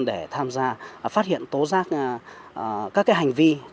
để tham gia phát hiện tố giác các hành vi